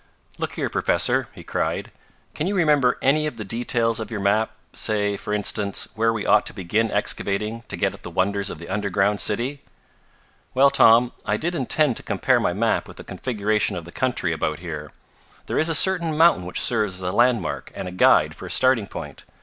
"Look here, Professor!" he cried. "Can you remember any of the details of your map say, for instance, where we ought to begin excavating to get at the wonders of the underground city?" "Well, Tom, I did intend to compare my map with the configuration of the country about here. There is a certain mountain which serves as a landmark and a guide for a starting point.